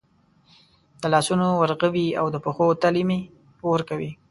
د لاسو ورغوي او د پښو تلې مې اور کوي